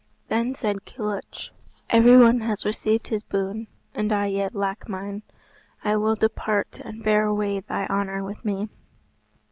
Then said Kilhuch, "Every one has received his boon, and I yet lack mine. I will depart and bear away thy honour with me."